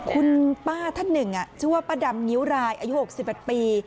คุณป้าท่านหนึ่งชื่อว่าป้าดำงิ้วรายอายุ๖๑ปี